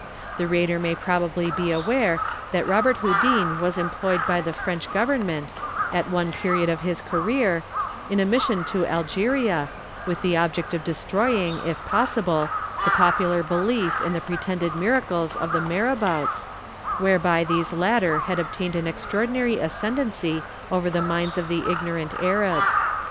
The reader may possiDiy MODERN MA GIL. 4*3 oe aware that Robert Houdin was employed by the French Govern ment, at one period of his career, in a rr'ssion to Algeria, with the object of destroying, if possible, the popular belief in the pre tended miracles of the Marabouts, whereby these latter had obtained an extraordinary ascendency over the minds of the ignorant Arabs.